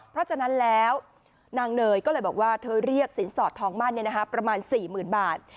เพราะฉะนั้นแล้วนางเนยก็เลยบอกว่าเธอเรียกสินสอดทองมั่นเนี่ยนะฮะประมาณสี่หมื่นบาท